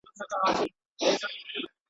o خواره سې مکاري، چي هم جنگ کوې، هم ژاړې.